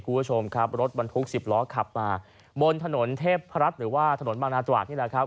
คุณผู้ชมครับรถบรรทุก๑๐ล้อขับมาบนถนนเทพรัฐหรือว่าถนนบางนาตราดนี่แหละครับ